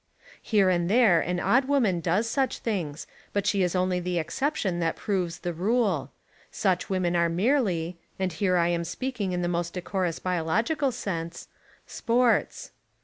Here and there an odd woman does such things, but she Is only the exception that proves the rule. Such women are merely — and here I am speaking in the most decorous biological sense, — "sports."